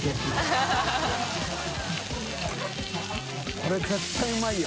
これ絶対うまいよ。